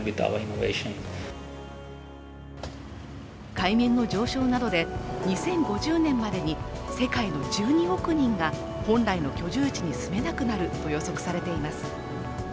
海面の上昇などで２０５０年までに世界の１２億人が本来の居住地に住めなくなると予測されています。